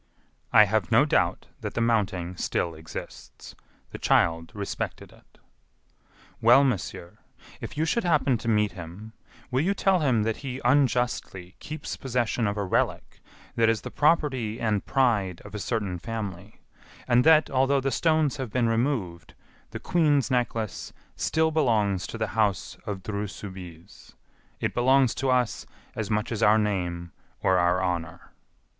"I have no doubt that the mounting still exists. The child respected it." "Well, monsieur, if you should happen to meet him, will you tell him that he unjustly keeps possession of a relic that is the property and pride of a certain family, and that, although the stones have been removed, the Queen's necklace still belongs to the house of Dreux Soubise. It belongs to us as much as our name or our honor."